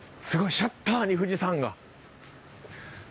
シャッターに富士山が。